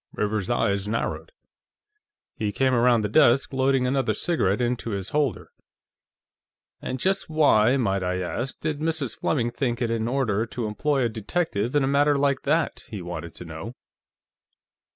Rivers's eyes narrowed. He came around the desk, loading another cigarette into his holder. "And just why, might I ask, did Mrs. Fleming think it in order to employ a detective in a matter like that?" he wanted to know.